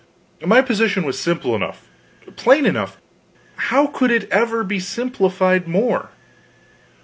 My position was simple enough, plain enough; how could it ever be simplified more?